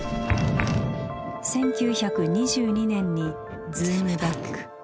１９２２年にズームバック。